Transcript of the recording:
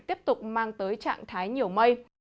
tiếp tục mang tới trạng thái nhiều mây